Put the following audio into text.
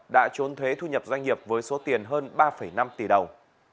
đã trốn thuế thu nhập doanh nghiệp với số tiền hơn ba năm tỷ đồng